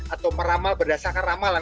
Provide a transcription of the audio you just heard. atau meramal berdasarkan ramalan